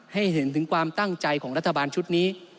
ให้เห็นถึงความตั้งใจของรัฐบาลชุดนี้